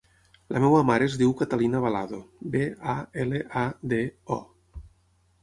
La meva mare es diu Catalina Balado: be, a, ela, a, de, o.